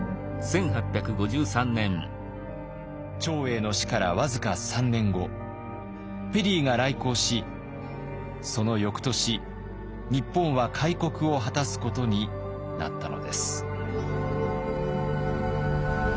長英の死から僅か３年後ペリーが来航しその翌年日本は開国を果たすことになったのです。